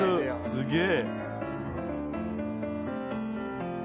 すげえ！」